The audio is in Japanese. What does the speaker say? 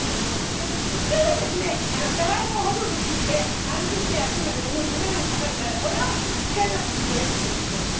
普通はですねじゃがいもを細く切って丸くして焼くんだけども手間がかかるからこれを使います。